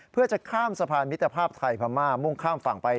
เพื่อจะข้ามสะพานมิตรภาพไทยพม่ามุ่งข้ามฝั่งไป